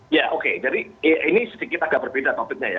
ya oke jadi ini sedikit agak berbeda topiknya ya